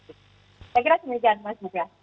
saya kira semuanya terima kasih